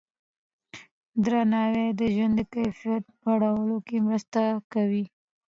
درناوی د ژوند د کیفیت لوړولو کې مرسته کوي.